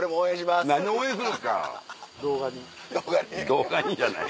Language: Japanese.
「動画に」じゃない。